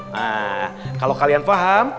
nah kalau kalian paham